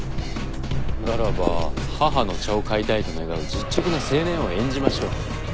ならば母の茶を買いたいと願う実直な青年を演じましょう。